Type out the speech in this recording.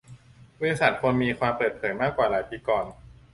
บริษัทควรมีความเปิดเผยมากกว่าหลายปีก่อน